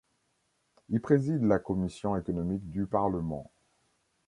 Il préside la commission économique du Parlement.